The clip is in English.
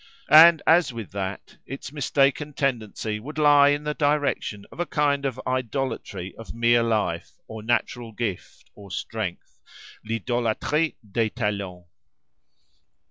And, as with that, its mistaken tendency would lie in the direction of a kind of idolatry of mere life, or natural gift, or strength—l'idôlatrie des talents.